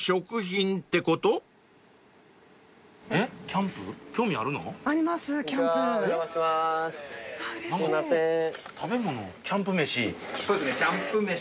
キャンプ飯。